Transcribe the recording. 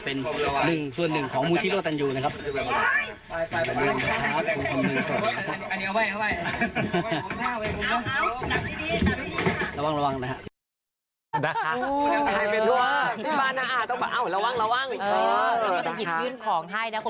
เป็นส่วนหนึ่งของมูธิโรตันยูนะครับ